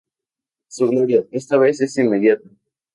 Su gloria, esta vez, es inmediata".